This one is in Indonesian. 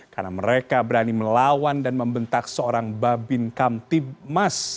karena mereka berani melawan dan membentak seorang babin kamtipmas